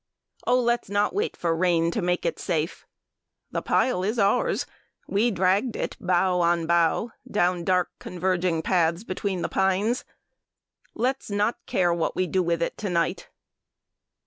Oh, let's not wait for rain to make it safe. The pile is ours: we dragged it bough on bough Down dark converging paths between the pines. Let's not care what we do with it to night.